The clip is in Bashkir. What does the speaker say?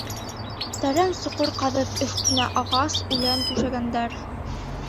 Тәрән соҡор ҡаҙып өҫтөнә ағас, үлән түшәгәндәр.